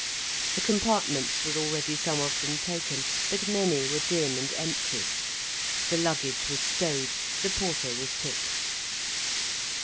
The compartments were already some of them taken. But many were dim and empty. The luggage was stowed, the porter was tipped.